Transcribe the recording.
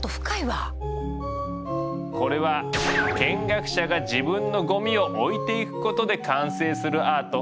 これは見学者が自分のゴミを置いていくことで完成するアート。